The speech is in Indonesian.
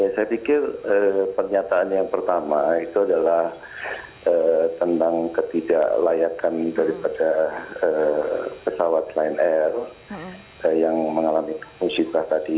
saya pikir pernyataan yang pertama itu adalah tentang ketidaklayakan daripada pesawat lion air yang mengalami musibah tadi